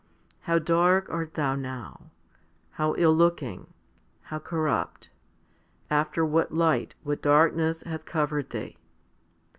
How dark art thou now ! how ill looking ! how corrupt ! After what light, what darkness hath covered thee